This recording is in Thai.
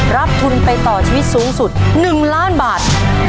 รับทุนไปต่อชีวิตสูงสุด๑ล้านบาท